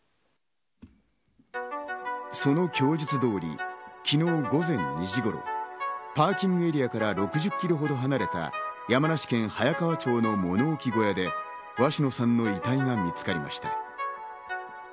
その供述通り、昨日午前２時頃、パーキングエリアから６０ｋｍほど離れた山梨県早川町の物置小屋で鷲野さんの遺体が見つかりました。